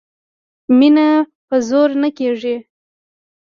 مینه په زور نه کېږي